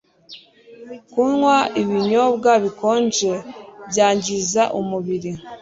kunywa ibinyobwa bikonje byangiza umubiri